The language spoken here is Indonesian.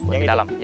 yang di dalam